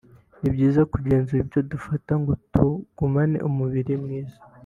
ni byiza kugenzura ibyo dufata ngo tugumane umubiri mwiza